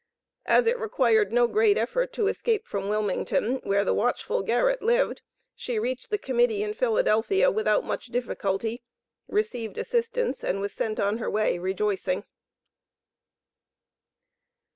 As it required no great effort to escape from Wilmington, where the watchful Garrett lived, she reached the Committee in Philadelphia without much difficulty, received assistance and was sent on her way rejoicing.